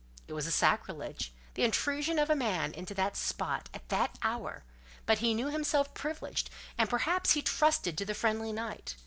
It was sacrilege—the intrusion of a man into that spot, at that hour; but he knew himself privileged, and perhaps he trusted to the friendly night.